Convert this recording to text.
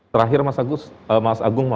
terakhir mas agung